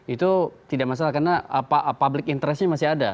itu tidak masalah karena public interestnya masih ada